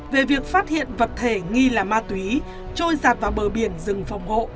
về việc phát hiện vật thể nghi là ma túy trôi dạt vào bờ biển rừng phong hộ